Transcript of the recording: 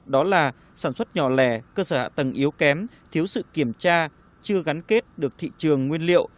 đó là sản xuất nhỏ lẻ cơ sở hạ tầng yếu kém thiếu sự kiểm tra chưa gắn kết được thị trường nguyên liệu